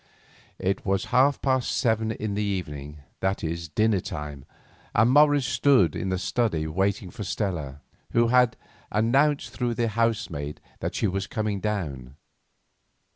It was half past seven in the evening, that is, dinner time, and Morris stood in the study waiting for Stella, who had announced through the housemaid that she was coming down.